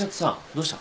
どうした？